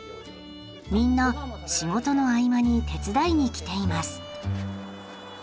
みんな仕事の合間に手伝いに来ています。